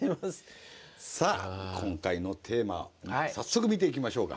さあ今回のテーマ早速見ていきましょうか。